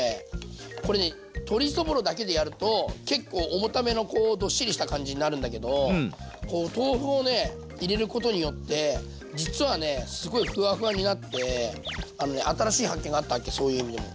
これね鶏そぼろだけでやると結構重ためのどっしりした感じになるんだけど豆腐をね入れることによって実はねすごいふわふわになってあのね新しい発見があったそういう意味でも。